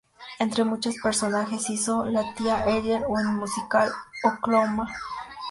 Entre muchos personajes, hizo la tía Eller en el musical "Oklahoma!